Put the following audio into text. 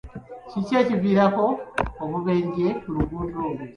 Ki ekiviirako obubenje ku luguudo olwo?